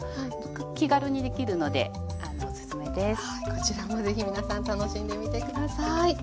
こちらもぜひ皆さん楽しんでみて下さい。